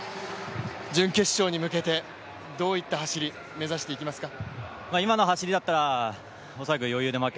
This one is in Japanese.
準決勝に向けてどういった走り、目指していきますか？